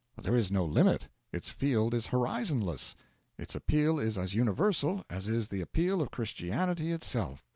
There is no limit; its field is horizonless; its appeal is as universal as is the appeal of Christianity itself.